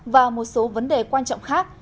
và một số vấn đề quan trọng khác